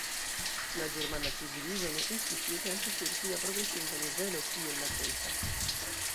La ĝermana civilizo ne estis tiutempe sur tia progresinta nivelo kiel la kelta.